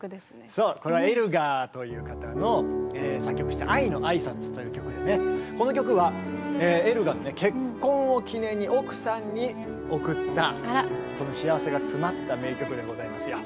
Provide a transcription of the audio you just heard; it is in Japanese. そうこれはエルガーという方の作曲した「愛のあいさつ」という曲でねこの曲はエルガーの結婚を記念に奥さんに贈った幸せがつまった名曲でございますよ。